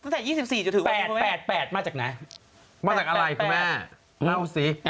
๓ตัวหน้า๘๘๘เนี่ย